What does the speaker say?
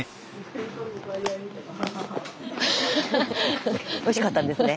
スタジオおいしかったんですね。